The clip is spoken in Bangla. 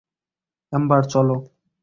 এম্বার, চলো।